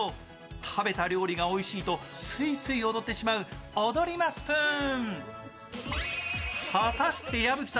食べた料理がおいしいとついつい踊ってしまう、踊りますプーン。